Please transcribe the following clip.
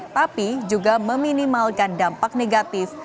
tapi juga meminimalkan dampak negatif